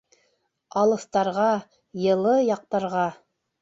— Алыҫтарға, йылы яҡтарға...